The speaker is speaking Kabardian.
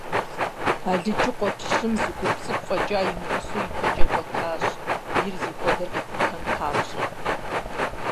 Алыджыкъуэпщым зы гуп цӏыкӏу фӏэкӏа имыгъусэу ипэкӏэ кӏуэтащ, бийр зыхуэдэр къихутэн папщӏэ.